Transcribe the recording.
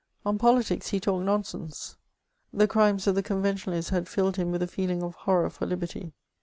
On politics he talked nonsense ; the crimes of the Conven tionalists had filled him with a feeling of horror for liberty.